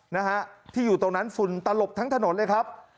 นะฮะที่อยู่ตรงนั้นฝุ่นตลบทั้งถนนเลยครับ